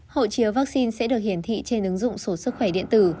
hộ chiếu vaccine sẽ được hiển thị trên ứng dụng số sức khỏe điện tử